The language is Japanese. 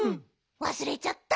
わすれちゃった。